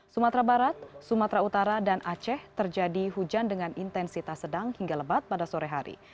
sumatera barat sumatera utara dan aceh terjadi hujan dengan intensitas sedang hingga lebat pada sore hari